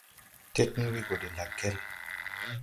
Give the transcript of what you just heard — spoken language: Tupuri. Tẽgn we gɔ de lakɛl,